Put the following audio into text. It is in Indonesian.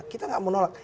kita tidak menolak